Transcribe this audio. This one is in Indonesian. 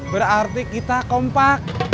berarti kita kompak